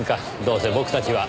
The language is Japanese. どうせ僕たちは。